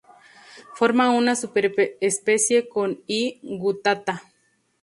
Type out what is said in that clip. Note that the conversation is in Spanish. Forma una superespecie con "I. guttata".